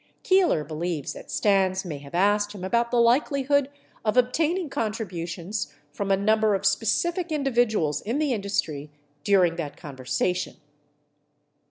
Keeler believes that Stans may have asked him about the likelihood of obtaining contributions from a number of specific individuals in the industry during that conversa tion.